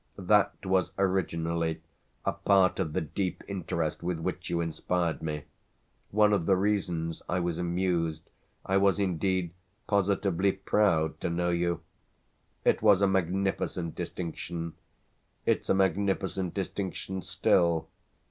That was originally a part of the deep interest with which you inspired me one of the reasons I was amused, I was indeed positively proud to know you. It was a magnificent distinction; it's a magnificent distinction still.